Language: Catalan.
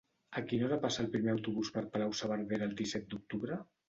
A quina hora passa el primer autobús per Palau-saverdera el disset d'octubre?